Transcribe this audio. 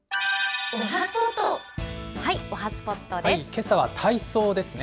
けさは体操ですね。